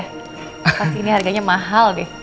pasti ini harganya mahal deh